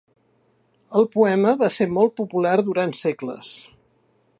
El poema va ser molt popular durant segles.